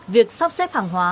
việc sắp xếp hàng hóa